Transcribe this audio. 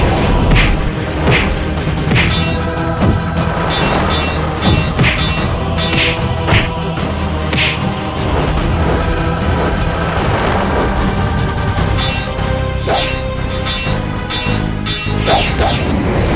kau tidak bisa menangkap mereka sendiri